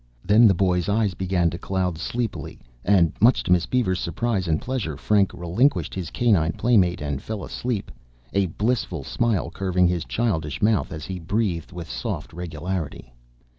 Then the boy's eyes began to cloud sleepily and much to Miss Beaver's surprise and pleasure Frank relinquished his canine playmate and fell asleep, a blissful smile curving his childish mouth as he breathed with soft regularity.